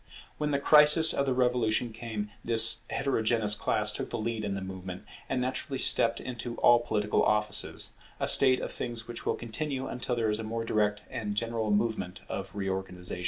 When the crisis of the Revolution came, this heterogeneous class took the lead in the movement, and naturally stepped into all political offices; a state of things which will continue until there is a more direct and general movement of reorganization.